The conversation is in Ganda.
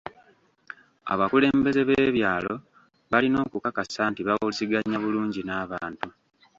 Abakulembeze b'ebyalo balina okukakasa nti bawuliziganya bulungi n'abantu.